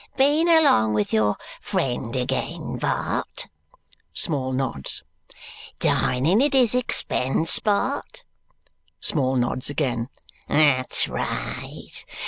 "Been along with your friend again, Bart?" Small nods. "Dining at his expense, Bart?" Small nods again. "That's right.